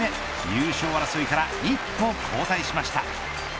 優勝争いから一歩後退しました。